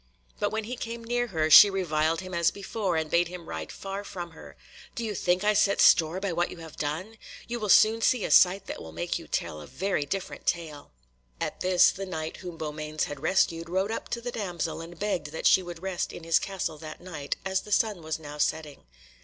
But when he came near her she reviled him as before, and bade him ride far from her. "Do you think I set store by what you have done? You will soon see a sight that will make you tell a very different tale." At this the Knight whom Beaumains had rescued rode up to the damsel, and begged that she would rest in his castle that night, as the sun was now setting.